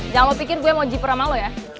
jangan lo pikir gue mau jiper sama lu